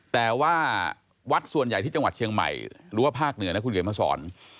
แต่ว่าวัดส่วนใหญ่ที่จังหวัดเชียงใหม่หรือว่าภาคเหนือนะคุณเขียนมาสอน